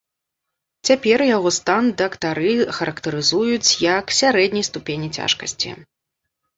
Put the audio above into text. Цяпер яго стан дактары характарызуюць як сярэдняй ступені цяжкасці.